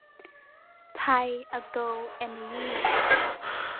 ไทย อะโกร เอ็นเนอร์ยี่